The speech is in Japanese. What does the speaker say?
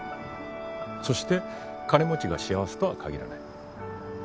そして金持ちが幸せとは限らない。